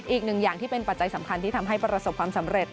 อีกหนึ่งอย่างที่เป็นปัจจัยสำคัญที่ทำให้ประสบความสำเร็จ